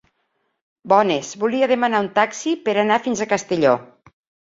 Bones, volia demanar un taxi per anar fins a Castelló.